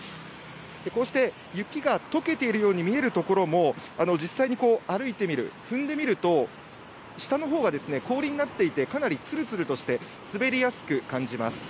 こうして雪が溶けているように見える所も実際に歩いてみる、踏んでみると下の方が氷になっていてかなり、つるつるとして滑りやすく感じます。